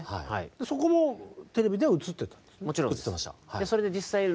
そこもテレビでは映ってたんですね？